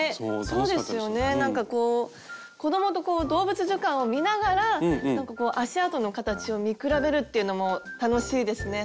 そうですよねなんかこう子供と動物図鑑を見ながらなんかこう足あとの形を見比べるっていうのも楽しいですね。